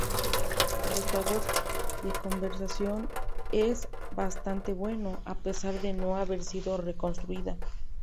Su estado de conservación es bastante bueno, a pesar de no haber sido reconstruida.